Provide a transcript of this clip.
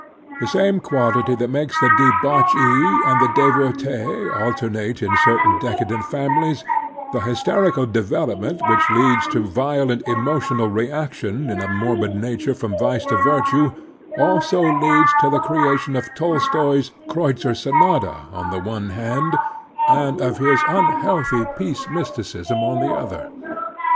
The same quality that makes the debauchee and the devotee alternate in certain decadent families, the hysterical development which leads to violent emotional reaction in a morbid nature from vice to virtue, also leads to the creation of Tolstoi's "Kreutzer Sonata" on the one hand, and of his tmhealthy peace mysticism on the other.